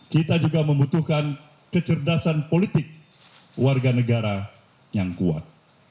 kita juga membutuhkan kecerdasan politik warga negara yang kuat